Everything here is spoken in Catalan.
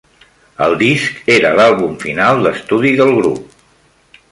El disc era l'àlbum final d'estudi del grup.